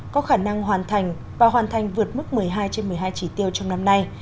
có khả năng hoàn thành và hoàn thành vượt mức một mươi hai trên một mươi hai chỉ tiêu trong năm nay